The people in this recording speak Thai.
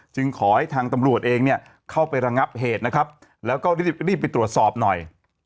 จึงขอให้ทางตำรวจเข้าไประงับเหตุแล้วก็รีบไปตรวจสอบหน่อย